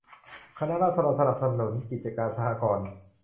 คณะราษฎรสนับสนุนกิจการสหกรณ์